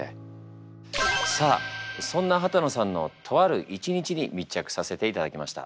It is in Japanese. さあそんな幡野さんのとある一日に密着させていただきました。